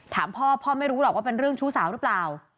ถามพ่อพ่อไม่รู้หรอกว่าเป็นเรื่องชู้สาวหรือเปล่า